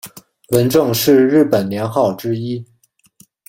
文正是日本年号之一。